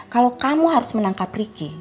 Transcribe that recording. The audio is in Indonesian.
kalau kamu harus menangkap ricky